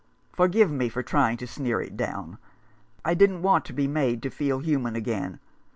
Forgive me for trying to sneer it down. I didn't want to be made to feel human again.